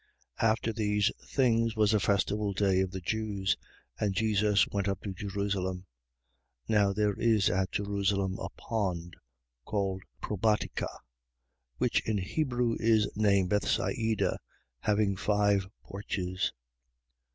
5:1. After these things was a festival day of the Jews: and Jesus went up to Jerusalem. 5:2. Now there is at Jerusalem a pond, called Probatica, which in Hebrew is named Bethsaida, having five porches.